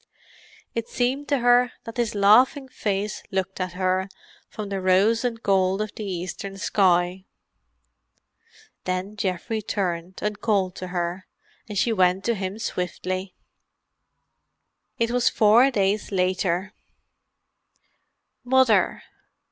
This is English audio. It seemed to her that his laughing face looked at her from the rose and gold of the eastern sky. Then Geoffrey turned, and called to her, and she went to him swiftly. It was four days later. "Mother."